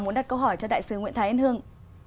muốn đặt câu hỏi cho đại sứ nguyễn thái an hương